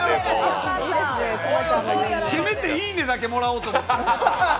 せめて「いいね」だけもらおうと思って。